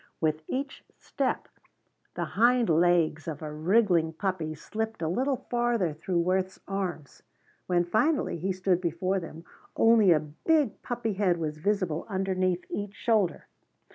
With each step the hind legs of a wriggling puppy slipped a little farther through Worth's arms. When finally he stood before them only a big puppy head was visible underneath each shoulder.